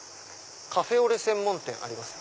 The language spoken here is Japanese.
カフェオレ専門店ありますよ。